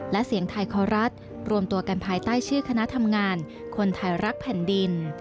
และเสียงไทยคอรัฐรวมตัวกันภายใต้ชื่อคณะทำงานคนไทยรักแผ่นดิน